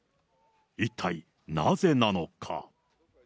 一体なぜなのか。